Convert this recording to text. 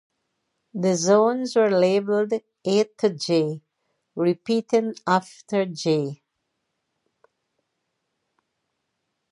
The zones were labelled A to J, repeating after J.